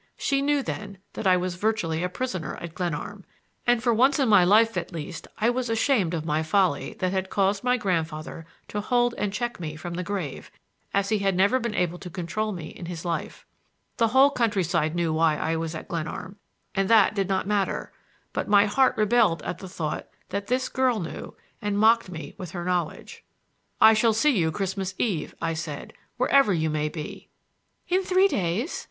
She knew, then, that I was virtually a prisoner at Glenarm, and for once in my life, at least, I was ashamed of my folly that had caused my grandfather to hold and check me from the grave, as he had never been able to control me in his life. The whole countryside knew why I was at Glenarm, and that did not matter; but my heart rebelled at the thought that this girl knew and mocked me with her knowledge. "I shall see you Christmas Eve," I said, "wherever you may be." "In three days?